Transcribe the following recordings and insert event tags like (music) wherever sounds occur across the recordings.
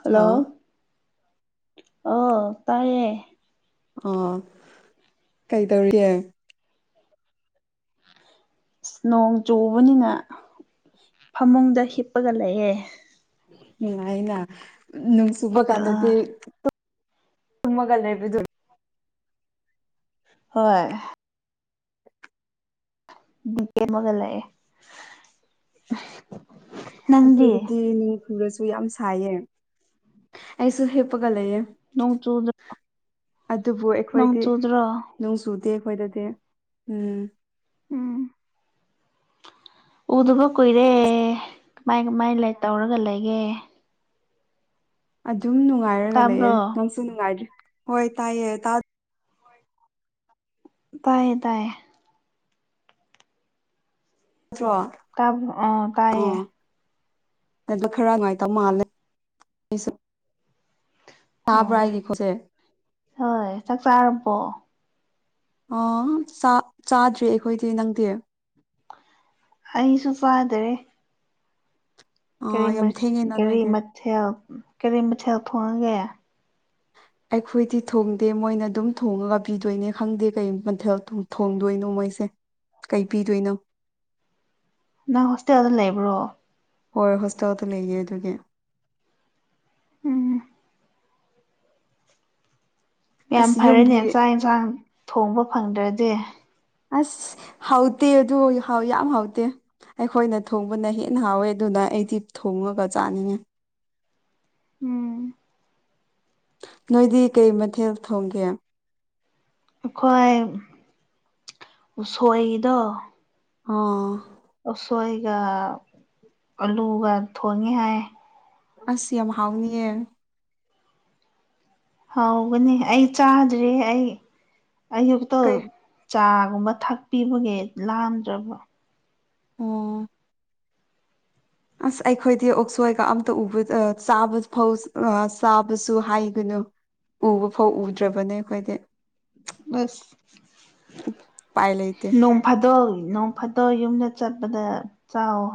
hello ꯑꯣ ꯇꯥꯏꯌꯦ ꯑ ꯀꯩꯗꯧꯔꯤꯒꯦ ꯅꯣꯡ ꯆꯨꯕꯅꯤꯅ ꯐꯃꯨꯡꯗ ꯍꯤꯞꯄꯒ ꯂꯩꯑꯦ ꯅꯨꯡꯉꯥꯏꯌꯦꯅ ꯅꯣꯡ ꯆꯨꯕꯥ ꯑꯥ ꯀꯥꯟꯅꯗꯤ ꯇꯨꯝꯃꯒ ꯂꯩꯕꯗꯨ ꯍꯣꯏ (unintelligible) ꯅꯪꯗꯤ ꯑꯩꯈꯣꯏꯗꯗꯤ ꯅꯤꯡꯈꯔꯁꯨ ꯌꯥꯝ ꯁꯥꯏꯌꯦ ꯑꯩꯁꯨ ꯍꯦꯛꯞꯄ ꯅꯣꯡ ꯆꯨꯗ꯭ꯔ ꯑꯗꯨꯕꯨ ꯑꯩꯈꯣꯏꯗꯤ ꯅꯣꯡ ꯆꯨꯗꯦ ꯑꯩꯈꯣꯏꯗꯗꯤ ꯎꯝ ꯎꯝ ꯎꯗꯨꯒ ꯀꯨꯏꯔꯦ ꯀꯃꯥꯏ ꯀꯃꯥꯏ ꯇꯧꯔꯒ ꯂꯩꯒꯦ ꯑꯗꯨꯝ ꯅꯨꯡꯉꯥꯏꯔꯒ ꯂꯩꯌꯦ ꯇꯥꯕ꯭ꯔꯣ ꯅꯪꯁꯨ ꯅꯨꯡꯉꯥꯏꯗ꯭ꯦ ꯍꯣꯏ ꯇꯥꯏꯌꯦ ꯇꯌꯦ ꯇꯌꯦ ꯠꯇ꯭ꯔ ꯇꯥꯕ꯭ꯔꯣ ꯑꯣ ꯑ ꯇꯥꯏꯌꯦ ꯑꯗ ꯈꯔ ꯅꯨꯡꯉꯥꯏꯇꯕ ꯃꯥꯜꯂꯦ ꯑꯣ ꯇꯥꯕ꯭ꯔꯥ ꯑꯩꯒꯤ ꯈꯣꯟꯖꯦꯜ ꯍꯣꯏ ꯆꯥꯛꯆꯥꯥꯔꯔꯕꯣ ꯑꯥ ꯆꯥꯗ꯭ꯔꯔꯤ ꯑꯩꯈꯣꯏꯗꯤ ꯅꯪꯗꯤ ꯑꯩꯁꯨ ꯄꯥꯗꯔꯦ ꯑꯣ ꯀꯔꯤ ꯌꯥꯝ ꯃ ꯊꯦꯡꯉꯦꯅ ꯀꯔꯤ ꯅꯣꯏꯗꯤ ꯃꯊꯦꯜ ꯀꯔꯤ ꯃꯊꯦꯜ ꯊꯣꯡꯒꯦ ꯍ ꯑꯩꯈꯣꯏꯗꯤ ꯊꯣꯡꯗꯦ ꯃꯣꯏꯅ ꯑꯗꯨꯝ ꯊꯣꯡꯉꯒ ꯄꯤꯗꯣꯏꯅꯦ ꯈꯪꯗꯦ ꯀꯩ ꯃꯊꯦꯜ ꯊꯣꯡꯗꯣꯏꯅꯣ ꯃꯣꯏꯁꯦ ꯀꯩ ꯄꯤꯗꯣꯏꯅꯣ ꯅꯪ ꯍꯣꯁꯇꯦꯜꯗ ꯂꯩꯕ꯭ꯔꯣ ꯍꯣꯏ ꯍꯣꯁꯇꯦꯜꯗ ꯂꯩꯌꯦ ꯑꯗꯨꯒꯤ ꯎꯝ ꯌꯥꯝ ꯑꯁ ꯌꯨꯝꯒꯤ ꯐꯔꯅꯦ ꯆꯥꯛ ꯌꯦꯟꯁꯥꯡ ꯊꯣꯡꯕ ꯐꯪꯗ꯭ꯔꯗꯤ ꯑꯁ ꯍꯥꯎꯇꯦ ꯑꯗꯨ ꯍꯥꯎ ꯌꯥꯝ ꯍꯥꯎꯇꯦ ꯑꯩꯈꯣꯏꯅ ꯊꯣꯡꯕꯅ ꯍꯦꯟꯅ ꯍꯥꯎꯋꯦ ꯑꯗꯨꯅ ꯑꯩꯗꯤ ꯊꯣꯡꯉꯒ ꯆꯥꯅꯤꯡꯉꯤ ꯎꯝ ꯅꯣꯏꯗꯤ ꯀꯩ ꯃꯊꯦꯜ ꯊꯣꯡꯒꯦ ꯑꯩꯈꯣꯏ ꯎꯁꯣꯏꯗꯣ ꯑꯥ ꯎꯁꯣꯏꯒ ꯑꯂꯨꯒ ꯊꯣꯡꯉꯤ ꯍꯥꯏ ꯑꯁ ꯌꯥꯝ ꯍꯥꯎꯅꯤꯌꯦ ꯍꯥꯎꯒꯅꯤ ꯑꯩ ꯆꯥꯗ꯭ꯔꯤ ꯑꯩ ꯑꯌꯨꯛꯇꯣ ꯀꯩ ꯆꯥꯒꯨꯝꯕ ꯊꯥꯛꯄꯤꯕꯒꯤ ꯂꯥꯝꯗ꯭ꯔꯕ ꯑꯣ ꯑꯁ ꯑꯩꯈꯣꯏꯗꯤ ꯑꯣꯛꯁꯣꯏꯒ ꯑꯝꯇ ꯎꯕ ꯆꯥ ꯐ ꯆꯥꯕꯁꯨ ꯍꯥꯏꯒꯅꯨ ꯎꯕ ꯐꯧ ꯎꯗ꯭ꯔꯕꯅꯦ ꯑꯩꯈꯣꯏꯗꯤ ꯑꯁ ꯎꯄꯥꯏ ꯂꯩꯇꯦ ꯅꯣꯡꯐꯥꯗ ꯅꯣꯡ ꯐꯠꯇꯣ ꯌꯨꯝꯗ ꯆꯠꯄꯗ ꯆꯥꯎꯋ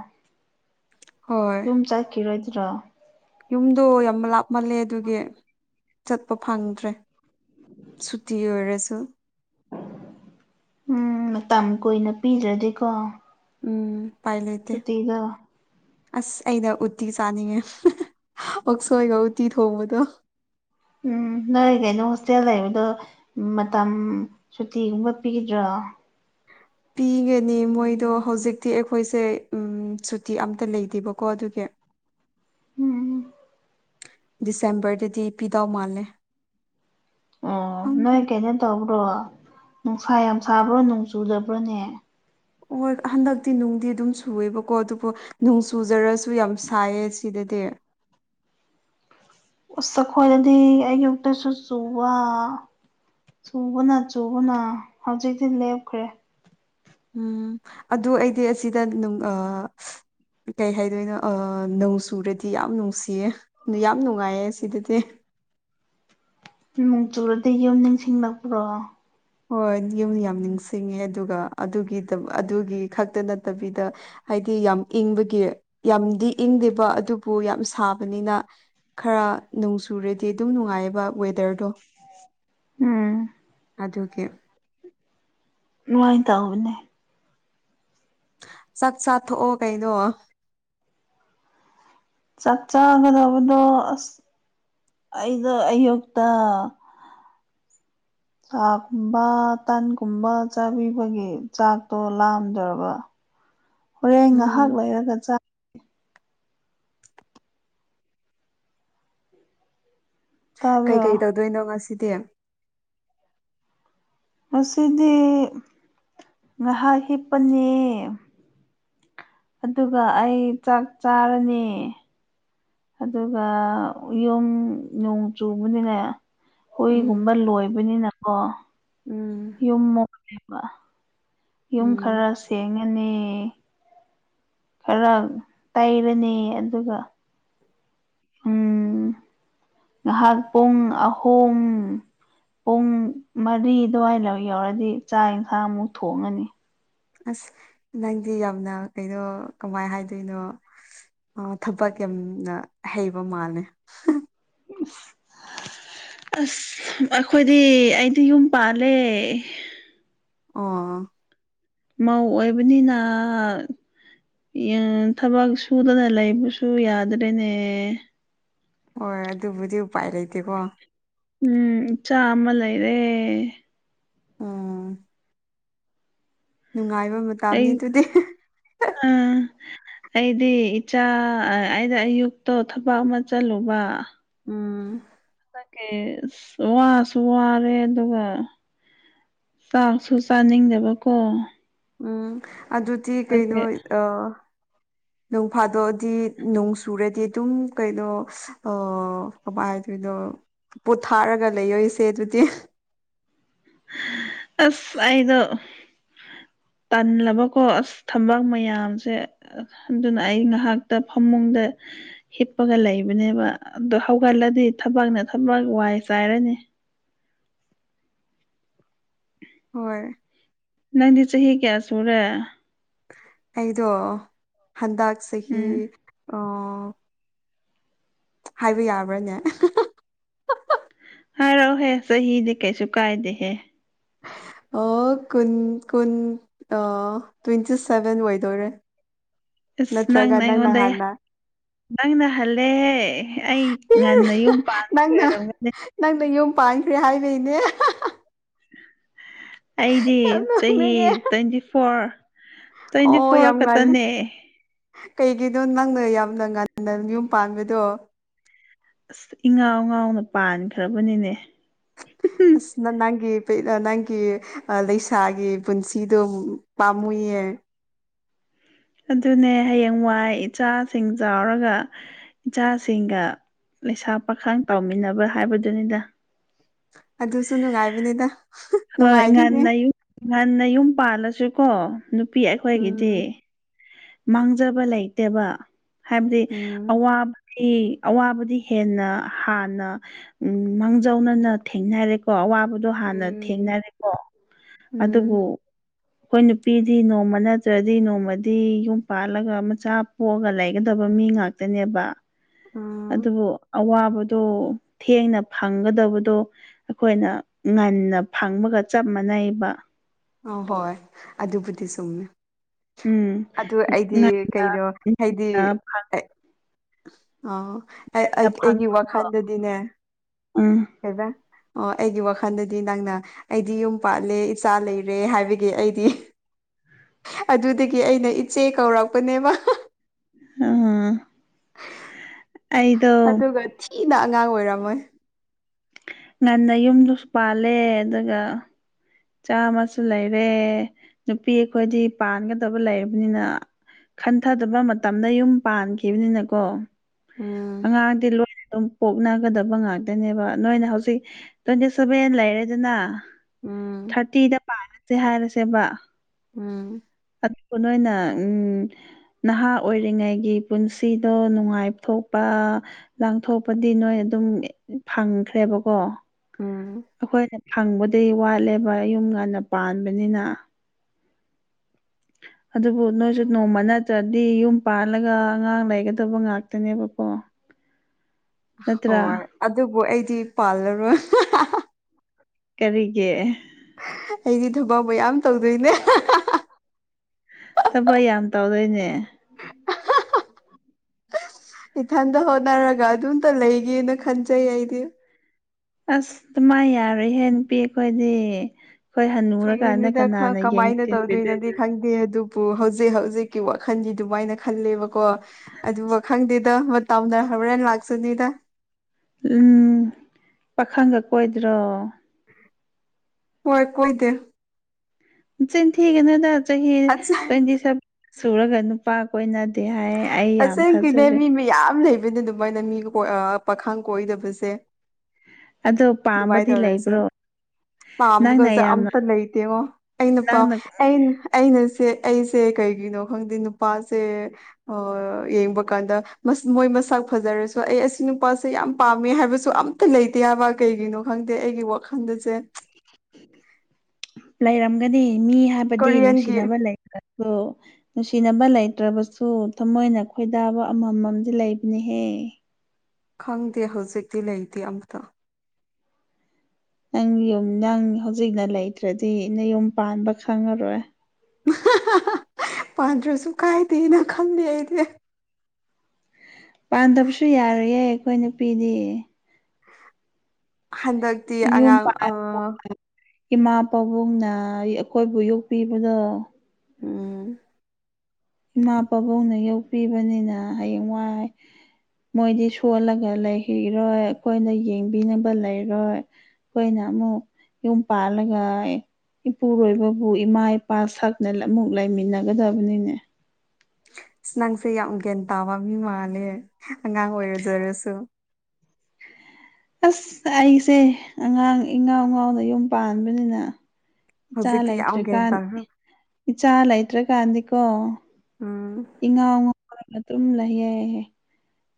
ꯍꯣꯏ ꯌꯨꯝ ꯆꯠꯈꯤꯔꯣꯏꯗ꯭ꯔꯣ ꯌꯨꯝꯗꯣ ꯌꯥꯝ ꯂꯥꯞꯃꯜꯂꯦ ꯑꯗꯨꯒꯤ ꯆꯠꯄ ꯐꯪꯗ꯭ꯔꯦ ꯁꯨꯇꯤ ꯑꯣꯏꯔꯁꯨ ꯎꯝ ꯃꯇꯝ ꯀꯨꯏꯅ ꯄꯤꯗ꯭ꯔꯗꯤꯀꯣ ꯎꯝ ꯎꯄꯥꯏ ꯂꯩꯇꯦ ꯁꯇꯤꯒ ꯑꯁ ꯑꯩꯩꯅ ꯎꯠꯇꯤ ꯆꯥꯅꯤꯡꯉꯦ ꯄꯛꯁꯣꯏꯒ ꯎꯠꯇꯤ ꯊꯣꯡꯕꯗꯣ ꯎꯝ ꯅꯣꯏ ꯀꯩꯅꯣ ꯍꯣꯁꯇꯦꯜ ꯂꯩꯕꯗꯣ ꯃꯇꯝ ꯁꯨꯇꯤꯒꯨꯝꯕ ꯄꯤꯈꯤꯗ꯭ꯔꯣ ꯑ ꯄꯤꯒꯅꯤ ꯃꯣꯏꯗꯣ ꯍꯧꯖꯤꯛꯇꯤ ꯑꯩꯈꯣꯏꯁꯦ ꯁꯨꯇꯤ ꯑꯃꯝꯇ ꯂꯩꯇꯦꯕꯀꯣ ꯑꯗꯨꯒꯤ (inaudible) ꯎꯝ ꯗꯤꯁꯦꯝꯕꯔꯗꯗꯤ ꯄꯤꯗꯧ ꯃꯥꯜꯂꯦ ꯑ ꯈꯪꯗꯦ ꯅꯣꯏ ꯀꯩꯩꯅꯣ ꯇꯧ ꯑꯣꯣ ꯅꯨꯡꯁꯥ ꯌꯥꯝ ꯁꯥꯕ꯭ꯔꯣ ꯅꯣꯡ ꯆꯨꯗꯕ꯭ꯔꯣꯅꯦ ꯍ ꯍꯟꯗꯛꯇꯤ ꯅꯨꯡꯗꯤ ꯑꯗꯨꯝ ꯁꯨꯑꯦꯕꯀꯣ ꯑꯗꯨꯕꯨ ꯅꯨꯡ ꯁꯨꯖꯔꯁꯨ ꯌꯥꯝ ꯁꯥꯏꯌꯦ ꯁꯤꯗꯗꯤ (inaudible) ꯎꯁ ꯆꯈꯣꯏꯗꯗꯤ ꯑꯌꯨꯛꯇꯁꯨ ꯆꯨꯕ ꯆꯨꯕꯅ ꯆꯨꯕꯅ ꯍꯧꯖꯤꯛꯇꯛꯇꯤ ꯂꯦꯞꯈ꯭ꯔꯦ ꯎꯝ ꯑꯗꯨ ꯑꯩꯗꯤ ꯑꯁꯤꯗ ꯀꯩ ꯍꯥꯏꯗꯣꯏꯅꯣ ꯅꯣꯡꯆꯨꯔꯗꯤ ꯌꯥꯝ ꯅꯨꯡꯁꯤꯌꯦ ꯑꯗꯨ ꯌꯥꯝ ꯅꯨꯡꯉꯥꯏꯌꯦ ꯁꯤꯗꯗꯤ ꯅꯣꯡ ꯆꯨꯔꯗꯤ ꯌꯨꯝ ꯅꯤꯡꯁꯤꯡꯂꯛꯄ꯭ꯔꯣ ꯍꯣꯏ ꯌꯨꯝ ꯌꯥꯝ ꯅꯤꯡꯁꯤꯡꯉꯦ ꯑꯗꯨꯒꯒꯤ ꯑꯗꯨꯒꯤ ꯈꯛꯇ ꯅꯠꯇꯕꯤꯗ ꯍꯥꯏꯗꯤ ꯌꯥꯝ ꯏꯪꯕꯒꯤ ꯌꯥꯝꯗꯤ ꯏꯪꯗꯦꯕ ꯑꯗꯨꯕꯨ ꯌꯥꯝ ꯁꯥꯕꯅꯤꯅ ꯈꯔ ꯅꯅꯨꯡ ꯁꯨꯔꯦꯗꯤ ꯑꯗꯨꯝ ꯅꯨꯡꯉꯥꯏꯑꯕ ꯋꯦꯗꯔꯗꯣ ꯎꯝ ꯑꯗꯨꯒꯤ ꯅꯨꯡꯉꯥꯏ ꯇꯥꯕꯅꯦ ꯆꯥꯛ ꯆꯥꯊꯣꯛꯑꯣ ꯀꯩꯅꯣ ꯆꯥꯛ ꯆꯥꯒꯗꯕꯗꯣ ꯑꯁ ꯑꯩꯗꯣ ꯑꯌꯨꯛꯇ ꯊꯥ ꯀꯨꯝꯕ ꯇꯟꯒꯨꯝꯕ ꯆꯥꯕꯤꯕꯒꯤ ꯆꯥꯛꯇꯣ ꯂꯥꯝꯗ꯭ꯔꯕ ꯍꯣꯔꯦꯟ ꯑꯩ ꯎꯝ ꯉꯥꯏꯍꯥꯛ ꯂꯩꯔꯒ ꯆꯥ ꯇꯥꯕ꯭ꯔꯣ ꯀꯩꯀꯩ ꯇꯧꯗꯣꯏꯅꯣ ꯉꯁꯤꯗꯤ ꯉꯁꯤꯗꯤ ꯉꯥꯏꯍꯥꯛ ꯍꯤꯞꯄꯅꯦ ꯑꯗꯨꯒ ꯑꯩ ꯆꯥꯛ ꯆꯥꯔꯅꯤ ꯑꯗꯨꯒ ꯌꯨꯝ ꯅꯣꯡ ꯆꯨꯕꯅꯤꯅꯦ ꯍꯨꯏꯒꯨꯝꯕ ꯎꯝ ꯂꯣꯏꯕꯅꯤꯅꯀꯣ ꯎꯝ ꯌꯨꯝ ꯌꯨꯝ ꯎꯝ ꯈꯔ ꯁꯦꯡꯉꯅꯤ ꯈꯔ ꯇꯩꯔꯅꯤ ꯑꯗꯨꯒ ꯎꯝ ꯉꯥꯏꯍꯥꯛ ꯄꯨꯡ ꯑꯍꯨꯝ ꯄꯨꯡ ꯃꯔꯤ ꯑꯗꯨꯋꯥꯏꯗ ꯌꯧꯔꯗꯤ ꯆꯥꯛ ꯏꯟꯁꯥꯡ ꯑꯃꯨꯛ ꯊꯣꯡꯉꯅꯤ ꯑꯁ ꯅꯪꯗꯤ ꯌꯥꯝꯅ ꯀꯩꯅꯣ ꯀꯃꯥꯏ ꯍꯥꯏꯗꯣꯏꯅꯣ ꯊꯕꯛ ꯀꯦꯝꯅ ꯍꯩꯕ ꯃꯥꯜꯅꯦ (inaudible) ꯑꯁ ꯑꯩꯈꯣꯏꯗꯤ ꯑꯩꯗꯤ ꯌꯨꯝ ꯄꯥꯜꯂꯦ ꯑꯣ ꯃꯧ ꯑꯣꯏꯕꯅꯤꯅ ꯊꯕꯛ ꯁꯨꯗꯅ ꯂꯩꯕꯁꯨ ꯌꯥꯗ꯭ꯔꯦꯅꯦ ꯍꯣꯏ ꯑꯗꯨꯕꯨꯗꯤ ꯎꯄꯥꯏ ꯂꯩꯇꯦꯀꯣ ꯎꯝ ꯆꯥ ꯑꯃ ꯂꯩꯔꯦ ꯑꯝ ꯅꯨꯡꯉꯥꯏꯕ ꯃꯇꯝꯅꯤ ꯑꯗꯨꯗꯤ ꯑꯥ ꯑꯩꯗꯤ ꯏꯆꯥ ꯑꯩꯗ ꯑꯌꯨꯛꯇꯣ ꯊꯕꯛ ꯑꯃ ꯆꯠꯂꯨꯕ ꯎꯝ ꯋꯥꯁꯨ ꯋꯥꯔꯦ ꯑꯗꯨꯒ ꯆꯥꯛꯁꯨ ꯆꯥꯅꯤꯡꯗꯕꯀꯣ ꯎꯝ ꯑꯗꯨꯗꯤ ꯀꯩꯅꯣ ꯑꯗꯨꯒꯤ ꯑ ꯅꯣꯡ ꯐꯥꯗꯣꯛꯑꯗꯤ ꯅꯣꯡ ꯆꯨꯔꯗꯤ ꯑꯗꯨꯝ ꯀꯩꯅꯣ ꯀꯃꯥꯏ ꯍꯥꯏꯗꯣꯏꯅꯣ ꯄꯣꯊꯥꯔꯒ ꯂꯩꯌꯣꯏꯁꯦ ꯑꯗꯨꯗꯤ ꯑꯁ ꯑꯩꯗꯣ (inaudible) ꯇꯜꯂꯕꯀꯣ ꯑꯁ ꯊꯝꯕ ꯃꯌꯥꯝꯁꯦ ꯑꯗꯨꯅ ꯑꯩ ꯉꯥꯏꯍꯥꯛꯇ ꯐꯃꯨꯡꯗ ꯍꯤꯞꯄꯒ ꯂꯩꯕꯅꯦꯕ ꯑꯗꯨ ꯍꯧꯒꯠꯂꯗꯤ ꯊꯕꯛꯅ ꯊꯕꯛ ꯋꯥꯏ ꯆꯥꯏꯔꯅꯤ ꯍꯣꯏ ꯅꯪꯗꯤ ꯆꯍꯤ ꯀꯌꯥ ꯁꯨꯔꯦ ꯑꯩꯗꯣ ꯍꯟꯗꯛ ꯆꯍꯤꯍꯤ ꯎꯝ ꯑ ꯍꯥꯏꯕ ꯌꯥꯕ꯭ꯔꯥꯅꯦ ꯍꯥꯏꯔꯛꯎ ꯍꯦ ꯁꯍꯤꯗꯦ ꯀꯩꯁꯨ ꯀꯥꯏꯗꯦ ꯍꯦ ꯀꯨꯟ ꯀꯨꯟ ꯇ꯭ꯋꯦꯟꯇꯤ ꯁꯦꯚꯦꯟ ꯑꯣꯏꯗꯣꯏꯔꯦ ꯑꯁ ꯅꯪ ꯅꯠꯇ꯭ꯔꯒ ꯅꯪꯅ ꯅꯏꯉꯉꯣꯟꯗꯌꯦꯦ ꯍꯥꯟꯅ ꯅꯪꯅ ꯍꯜꯂꯦꯍꯦ ꯑꯩ ꯉꯟꯅ ꯌꯨꯝ ꯄꯥꯟꯕꯒꯤ ꯑꯣꯏꯔꯝꯒꯅꯤ ꯄꯥꯏꯈ꯭ꯔꯦ ꯍꯥꯏꯕꯅꯦ ꯑꯩꯗꯤ ꯆꯍꯤ ꯅꯣꯛꯅꯤꯡꯉꯦ ꯇ꯭ꯋꯦꯟꯇꯤ ꯐꯣꯔ ꯇ꯭ꯋꯦꯟꯇꯤ ꯑꯣ ꯌꯥꯝ ꯐꯣꯔ ꯌꯥꯝꯒꯜ ꯈꯛꯇꯅꯦ ꯀꯩꯒꯤꯅꯣ ꯅꯪꯅ ꯌꯥꯝꯅ ꯉꯟꯅ ꯌꯨꯝ ꯄꯥꯟꯕꯗꯣ ꯑꯁ ꯏꯉꯥꯎ ꯉꯥꯎꯅ ꯄꯥꯟꯈ꯭ꯔꯕꯅꯤꯅꯦ ꯎꯝ ꯑꯁ ꯅ ꯅꯪꯒꯤ ꯅꯪꯒꯤ ꯂꯩꯁꯥꯒꯤ ꯄꯨꯟꯁꯤꯗꯣ ꯄꯥꯝꯃꯨꯏꯌꯦ ꯑꯗꯨꯅꯦ ꯍꯌꯦꯡꯋꯥꯏ ꯏꯆꯥꯁꯤꯡ ꯆꯥꯎꯔꯒ ꯏꯆꯥꯁꯤꯡꯒ ꯂꯩꯁꯥ ꯄꯥꯈꯥꯡ ꯇꯥꯎꯃꯤꯟꯅꯕ ꯍꯥꯏꯕꯗꯨꯅꯤꯅ ꯑꯗꯨꯁꯨ ꯅꯨꯡꯉꯥꯏꯕꯅꯤꯗ ꯍꯣꯏ ꯅꯨꯡꯉꯥꯏꯈꯤꯅꯤ ꯉꯟꯅꯨꯝ ꯉꯟꯅ ꯌꯨꯝ ꯄꯥꯜꯂꯁꯨꯀꯣ ꯅꯨꯄꯤ ꯑꯩꯈꯣꯏꯒꯤꯗꯤ ꯎꯝ ꯃꯥꯡꯖꯕ ꯂꯩꯇꯦꯕ ꯍꯥꯏꯕꯗꯤ ꯎꯝ ꯑꯋꯥꯕꯩ ꯑꯋꯥꯕꯗꯤ ꯍꯦꯟꯅ ꯍꯥꯟꯅ ꯎ ꯃꯥꯡꯖꯧꯅꯅ ꯊꯦꯡꯅꯔꯦꯀꯣ ꯑꯋꯥꯕ ꯗꯣ ꯍꯥꯟꯅ ꯎꯝ ꯊꯦꯡꯅꯔꯦꯀꯣ ꯎꯝ ꯑꯗꯨꯕꯨ ꯑꯩꯈꯣꯏ ꯅꯨꯄꯤꯗꯤ ꯅꯣꯡꯃ ꯅꯠꯇ꯭ꯔꯗꯤ ꯅꯣꯡꯃꯗꯤ ꯨꯝ ꯄꯥꯜꯂꯒ ꯃꯆꯥ ꯄꯣꯛꯑꯒ ꯂꯩꯒꯗꯕ ꯃꯤ ꯉꯥꯛꯇꯅꯦꯕ ꯎꯝ ꯑꯗꯨꯕꯨ ꯑꯋꯥ ꯊꯦꯡꯅ ꯐꯪꯒꯗꯕꯗꯣ ꯑꯩꯈꯣꯏꯅ ꯉꯟꯅ ꯐꯪꯕꯒ ꯆ ꯃꯅꯩꯕ ꯑ ꯍꯣꯏ ꯑꯗꯨꯕꯨꯗꯤ ꯁꯨꯝꯃꯦ ꯎꯝ ꯑꯗꯨ ꯑꯩꯗꯤ ꯀꯩꯅꯣ ꯍꯥꯏꯗꯤ ꯐꯒꯟꯅ ꯑ ꯑꯩꯒꯤ ꯐꯪꯕꯗꯣ ꯋꯥꯈꯜꯗꯗꯤꯅꯦ ꯎꯝ ꯑꯦꯗꯥ ꯑꯣ ꯑꯩꯒꯤ ꯋꯥꯈꯜꯗꯗꯤ ꯅꯪꯅ ꯑꯩꯗꯤ ꯌꯨꯝ ꯄꯥꯜꯂꯦ ꯏꯆꯥ ꯂꯩꯔꯦ ꯍꯥꯏꯕꯒꯤ ꯑꯩꯗꯤ ꯑꯗꯨꯗꯒꯤ ꯑꯩꯅ ꯏꯆꯦ ꯀꯧꯔꯛꯄꯅꯦꯕ ꯑ ꯑꯩꯗꯣ ꯏꯗ ꯑꯉꯥꯡ ꯑꯣꯏꯔꯝꯃꯣꯏ ꯉꯟꯅ ꯌꯨꯝꯗꯨꯁꯨ ꯄꯥꯜꯂꯦ ꯑꯗꯨꯒ ꯆꯥꯃꯁꯨ ꯂꯩꯔꯦ ꯅꯨꯄꯤ ꯑꯩꯈꯣꯏꯗꯤ ꯄꯥꯟꯒꯗꯕ ꯂꯩꯔꯕꯅꯤꯅ ꯈꯟꯊꯗꯕ ꯃꯇꯝꯗ ꯌꯨꯝ ꯄꯥꯟꯈꯤꯕꯅꯤꯅꯀꯣ ꯎꯝ ꯑꯉꯥꯡꯗꯤ ꯂꯣꯏꯅ ꯑꯗꯨꯝ ꯄꯣꯛꯅꯒꯗꯕ ꯉꯥꯛꯇꯅꯦꯕ ꯅꯣꯏꯅ ꯍꯧꯖꯤꯛ ꯇ꯭ꯋꯦꯟꯇꯤ ꯁꯚꯦꯟ ꯂꯩ ꯍꯥꯏꯔꯦꯗꯅ ꯎꯝ ꯊꯥꯔꯇꯤꯗ ꯄꯥꯔꯁꯦ ꯍꯥꯏꯔꯁꯦꯕ ꯎꯝ ꯑꯗꯨꯕꯨ ꯅꯣꯏꯅ ꯎꯝ ꯅꯍꯥ ꯑꯣꯏꯔꯤꯉꯩꯒꯤ ꯄꯨꯟꯁꯤꯗꯣ ꯅꯨꯡꯉꯥꯏꯕ ꯊꯣꯛꯄ ꯂꯥꯡꯊꯣꯛꯄꯗꯤ ꯅꯣꯏ ꯑꯗꯨꯝ ꯐꯪꯈ꯭ꯔꯦꯕꯀꯣ ꯎꯝ ꯑꯩꯈꯣꯏꯅ ꯐꯪꯕꯗꯒꯤ ꯋꯥꯠꯂꯦꯕ ꯌꯨꯝ ꯉꯟꯅ ꯄꯥꯟꯕꯅꯤꯅ (unintelligible) ꯑꯗꯨꯕꯨ ꯅꯣꯏꯁꯨ ꯅꯣꯡꯃ ꯅꯠꯇ꯭ꯔꯗꯤ ꯌꯨꯝ ꯄꯥꯜꯂꯒ ꯑꯉꯥꯡ ꯂꯩꯒꯗꯕ ꯉꯥꯛꯇꯅꯦꯕꯀꯣ ꯅꯠꯇ꯭ꯔꯥ ꯍꯣꯏ ꯑꯗꯨꯕꯨ ꯑꯩꯗꯤ ꯄꯥꯜꯂꯔꯣꯏ ꯀꯔꯤꯒꯦ ꯑꯩꯗꯤ ꯊꯕꯥꯎ ꯃꯌꯥꯝ ꯇꯧꯗꯣꯏꯅꯦ ꯊꯕꯛ ꯌꯥꯝ ꯇꯧꯗꯣꯏꯅꯦ ꯏꯊꯟꯇ ꯍꯣꯠꯅꯔꯒ ꯑꯗꯨꯝꯇ ꯂꯩꯒꯦꯅ ꯈꯟꯖꯩ ꯑꯩꯗꯤ ꯑꯁ ꯑꯗꯨꯃꯥꯏ ꯌꯥꯔꯣꯏ ꯍꯦ ꯄꯤ ꯑꯩꯈꯣꯏꯗꯤ ꯍꯈꯣꯏ ꯍꯟꯅꯨꯔꯀꯥꯟꯗ ꯐꯒꯤꯅꯤꯗ ꯈꯔ ꯀꯅꯥꯅ ꯀꯃꯥꯏꯅ ꯌꯦꯡꯗꯣꯏ ꯇꯧꯗꯣꯏꯅꯣꯗꯤ ꯈꯪꯗꯦ ꯑꯗꯨꯕꯨ ꯍꯧꯖꯤꯛ ꯍꯧꯖꯤꯛꯀꯤ ꯋꯥꯈꯜꯗꯤ ꯑꯗꯨꯃꯥꯏꯅ ꯈꯜꯂꯦꯕꯀꯣ ꯑꯗꯨꯒ ꯈꯪꯗꯦꯗ ꯇꯧꯗ ꯈꯔꯔꯅꯤ ꯂꯥꯛꯁ ꯅ ꯇ ꯎꯝ ꯄꯥꯈꯪꯒ ꯀꯣꯏꯗ꯭ꯔꯣ ꯍꯣꯏ ꯀꯣꯏꯗꯦ ꯆꯤꯟꯊꯤꯒꯅꯨꯗ ꯆꯍꯤ ꯇ꯭ꯋꯦꯟꯇꯤ ꯁꯚꯦꯟ ꯁꯨꯔꯒ ꯅꯨꯄꯥ ꯀ ꯑꯣꯏꯅ ꯇꯁꯦꯡꯒꯤꯅꯦ ꯃꯤ ꯃꯌꯥꯝ ꯂꯩꯕ ꯑꯗꯨꯕꯅ ꯑꯗꯨꯃꯥꯏꯅ ꯃꯤ ꯀ ꯄꯥꯈꯥꯡ ꯀꯣꯏꯏꯗꯕꯁꯦ ꯑꯣ ꯄꯥꯝꯕꯗꯤ ꯂꯩꯕ꯭ꯔꯣ ꯅꯪꯅ ꯄꯥꯝꯕꯒꯁꯦ ꯌꯥꯝꯅ ꯑꯝꯇ ꯂꯩꯇꯦꯉꯣ ꯑꯩꯅ ꯄꯥꯎ ꯅꯪꯅ ꯑꯩꯅ ꯑꯩꯅ ꯁ ꯑꯩꯁꯦ ꯀꯩꯒꯤꯅꯣ ꯈꯪꯗꯦ ꯅꯨꯄꯥꯁꯦ ꯌꯦꯡꯕ ꯀꯥꯟꯗ ꯃꯣꯏ ꯃꯁꯥ ꯐꯖꯔꯁꯨ ꯑꯩ ꯑꯁꯤ ꯅꯨꯄꯥꯁꯦ ꯌꯥꯝ ꯄꯥꯝꯃꯦ ꯍꯥꯏꯕꯁꯨ ꯑꯝꯇ ꯂꯩꯇꯦ ꯌꯥꯕ ꯀꯩꯒꯤꯅꯣ ꯈꯪꯗꯦ ꯑꯩꯒꯤ ꯋꯥꯈꯜꯗꯁꯦ ꯂꯩꯔꯝꯒꯅꯤ ꯃꯤ ꯍꯥꯏꯕꯗꯤ ꯀꯣꯔꯤꯌꯟꯒꯤ ꯅꯨꯡꯁꯤꯅꯕ ꯂꯩ ꯆꯤꯅꯕ ꯂꯩꯇ꯭ꯔꯕꯁꯨ ꯊꯃꯣꯏꯅ ꯈꯣꯏꯗꯥꯕ ꯑꯃꯃꯝꯗꯤ ꯂꯩꯕꯅꯤꯍꯦ ꯈꯪꯗꯦ ꯍꯧꯖꯤꯛꯇꯤ ꯂꯩꯇꯦ ꯑꯝꯇ ꯅꯪ ꯌꯨꯝ ꯅꯪ ꯍꯧꯖꯤꯛꯅ ꯂꯩꯇ꯭ꯔꯗꯤ ꯅ ꯌꯨꯝ ꯄꯥꯟꯕ ꯈꯪꯉꯔꯣꯏ ꯄꯥꯟꯗ꯭ꯔꯁꯨ ꯀꯥꯏꯗꯦꯅ ꯈꯜꯂꯤꯦ ꯑꯩꯗꯤ ꯄꯥꯟꯗꯕꯁꯨ ꯌꯥꯔꯌꯦꯦ ꯑꯩꯈꯣꯏ ꯅꯨꯄꯤꯗꯤ ꯍꯟꯗꯛꯇꯤ ꯌꯨꯝ ꯑꯉꯥꯡ ꯄꯥꯟ ꯏꯃꯥ ꯄꯥꯕꯨꯡꯅ ꯑꯩꯈꯣꯏꯕꯨ ꯌꯣꯛꯄꯤꯕꯗꯣ ꯎꯝ ꯏꯃꯥ ꯄꯥꯕꯨꯡꯅ ꯌꯣꯛꯄꯤꯕꯅꯤꯅ ꯍꯌꯦꯡ ꯋꯥꯏ ꯃꯣꯏꯗꯤ ꯁꯣꯜꯂꯒ ꯂꯩꯈꯤꯔꯣꯏ ꯑꯩꯈꯣꯏꯅ ꯌꯦꯡꯕꯤꯅꯕ ꯂꯩꯔꯣꯏ ꯍꯈꯣꯏ ꯅꯃꯨ ꯌꯨꯝ ꯄꯥꯜꯂꯒ ꯏꯄꯨꯔꯣꯏꯕꯕꯨ ꯏꯃꯥ ꯏꯄꯥ ꯁꯛꯅ ꯑꯃꯨꯛ ꯂꯩꯃꯤꯟꯅꯒꯗꯕꯅꯤꯅꯦ ꯑ ꯅꯪꯁꯦ ꯌꯥꯝ ꯒ꯭ꯌꯥꯟ ꯇꯥꯕ ꯃꯤ ꯃꯥꯜꯂꯦ ꯑꯉꯥꯡ ꯑꯣꯏꯔꯖꯔꯁꯨ ꯑꯁ ꯑꯩꯁꯦ ꯑꯉꯥꯡ ꯏꯉꯥꯎ ꯉꯥꯎꯅ ꯌꯨꯝ ꯄꯥꯟꯕꯅꯤꯅ ꯏꯆꯥ ꯍꯧꯖꯤꯛꯇꯤ ꯌꯥꯝ ꯂꯩꯇ꯭ꯔ ꯒ꯭ꯌꯥꯟ ꯀꯥꯟ ꯇꯥꯈ꯭ꯔ ꯏꯆꯥ ꯂꯩꯇ꯭ꯔꯀꯥꯟꯗꯤꯀꯣ ꯎꯝ ꯏꯉꯥꯎ ꯉꯥꯎꯔꯒ ꯑꯗꯨꯝ ꯂꯩꯌꯦꯍ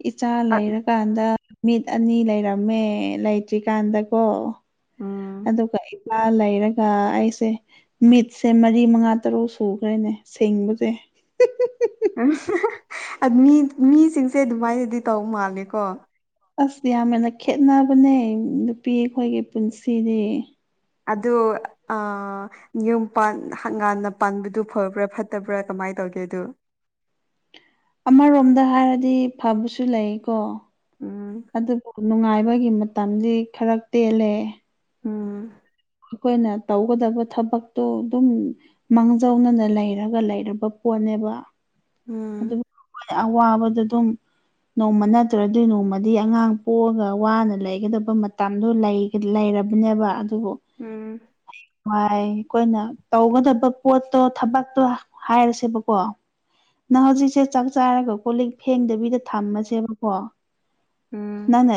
ꯏꯆꯥ ꯂꯩꯔꯀꯥꯟꯗ ꯃꯤꯠ ꯑꯅꯤ ꯂꯩꯔꯝꯃꯦ ꯂꯩꯇ꯭ꯔꯤꯀꯥꯟꯗꯀꯣ ꯎꯝ ꯑꯗ ꯀ ꯂ ꯂꯩꯔꯒ ꯑꯩꯁꯦ ꯃꯤꯠꯁꯦ ꯃꯔꯤ ꯃꯉꯥ ꯇꯔꯨꯛ ꯁꯨꯈ꯭ꯔꯦꯅꯦ ꯦꯡꯕꯁꯦ (unintelligible) ꯃꯤꯁꯤꯡꯁꯦ ꯑꯗꯨꯃꯥꯏꯅꯗꯤ ꯇꯧ ꯃꯥꯜꯂꯦꯀꯣ ꯑꯁ ꯌꯥꯝꯦꯟꯅ ꯈꯦꯠꯅꯕꯅꯦ ꯅꯨꯄꯤ ꯑꯩꯈꯣꯏꯒꯤ ꯄꯨꯟꯁꯤꯗꯤ ꯑꯣ ꯅꯤꯌꯣꯝꯥꯟ ꯍꯪꯒꯥꯥꯟꯅ ꯄꯥꯟꯕꯗꯨ ꯐꯕ꯭ꯔꯥ ꯐꯠꯇꯕ꯭ꯔꯥ ꯀꯃꯥꯏꯅ ꯇꯣ ꯀꯦ ꯇꯨ ꯑꯃꯔꯣꯝꯗ ꯍꯥꯏꯔꯗꯤ ꯐꯕꯁꯨ ꯂꯩꯀꯣ ꯎꯝ ꯑꯗꯨꯕꯨ ꯅꯨꯡꯉꯥꯏꯕꯒꯤ ꯃꯇꯝꯗꯤ ꯈꯔ ꯇꯦꯜꯂꯦ ꯎꯝ ꯑꯩꯈꯣꯏꯅ ꯇꯧꯒꯗꯕ ꯊꯕꯛꯇꯣ ꯑꯗꯨꯝ ꯃꯥꯡꯖꯧꯅꯅ ꯂꯩꯔꯒ ꯂꯩꯔꯕ ꯍꯣꯠꯅꯦꯕ ꯎꯝ ꯑꯗꯨꯕꯨ ꯑꯩꯣꯏ ꯑꯋꯥꯕꯗ ꯑꯗꯨꯝ ꯅꯣꯡꯃ ꯅꯠꯇ꯭ꯔ ꯑꯗꯨꯏ ꯅꯣꯡꯃꯗꯤ ꯑꯉꯥꯡ ꯄꯣꯛꯑꯒ ꯋꯥꯅ ꯂꯩꯒꯗꯕ ꯃꯇꯝꯗꯣ ꯂꯩ ꯂꯩꯔꯕꯅꯦꯕ ꯑꯗꯨꯕꯨꯅꯨꯡ ꯎꯝ ꯋꯥꯏ ꯑꯩꯈꯣꯏꯅ ꯇꯧꯒꯗꯕ ꯄꯣꯠꯇꯣ ꯊꯕꯛꯇꯣ ꯍꯥꯏꯔꯁꯦꯕꯀꯣ ꯅꯪ ꯍꯧꯖꯤꯛꯁꯦ ꯆꯥꯛ ꯆꯥꯔꯒ ꯀꯣ ꯂꯤꯛ ꯐꯦꯡꯗꯕꯤꯗ ꯊꯝꯃꯁꯦꯕꯀꯣ ꯎꯝ ꯅꯅ